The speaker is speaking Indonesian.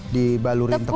dibalurin tepung terigu